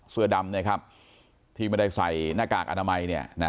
เสื้อดำที่ไม่ได้ใส่หน้ากากอนามัย